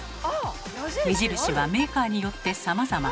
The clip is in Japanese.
目印はメーカーによってさまざま。